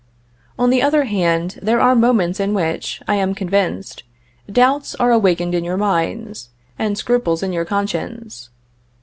On the other hand, there are moments in which, I am convinced, doubts are awakened in your minds, and scruples in your conscience.